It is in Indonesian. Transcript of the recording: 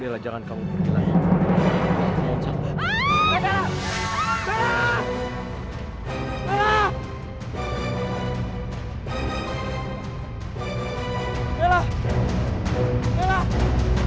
bella jangan kamu pergi lagi